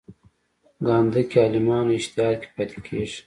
ګانده کې عالمانو اجتهاد کې پاتې کېږي.